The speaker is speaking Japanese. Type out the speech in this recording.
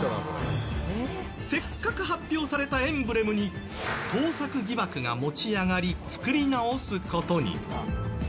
せっかく発表されたエンブレムに盗作疑惑が持ち上がり作り直すことに。